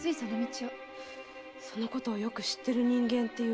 そのことをよく知ってる人間というと。